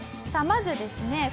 さあまずですね